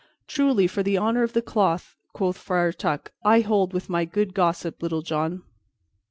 "Truly, for the honor of the cloth," quoth Friar Tuck, "I hold with my good gossip, Little John."